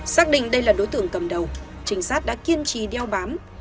xác định đây là đối tượng cầm đầu trinh sát đã kiên trì đeo bám